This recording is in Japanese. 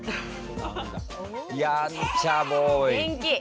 やんちゃボーイ！元気。